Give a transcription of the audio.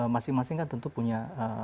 masing masing kan tentu punya